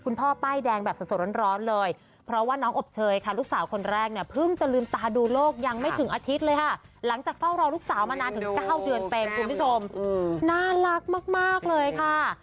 น้องอบเชยค่ะลูกสาวคนแรกเนี่ยพึ่งจะลืมตาดูโลกยังไม่ถึงอาทิตย์เลยค่ะหลังจากเฝ้ารองลูกสาวมานานถึง๙เดือนเป็นคุณผู้ชมน่ารักมากเลยค่ะ